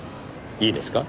いいですか？